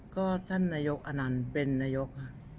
ก็ท่านนายกอนัลเป็นนายก